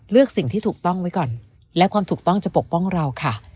สิ่งที่ถูกต้องไว้ก่อนและความถูกต้องจะปกป้องเราค่ะ